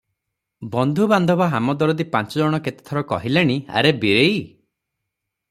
ବନ୍ଧୁ ବାନ୍ଧବ ହାମଦରଦୀ ପାଞ୍ଚ ଜଣ କେତେ ଥର କହିଲେଣି, "ଆରେ ବୀରେଇ!